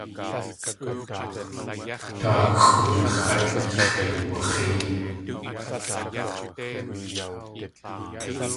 Daaxʼoon x̲at x̲ʼeiwax̲ée.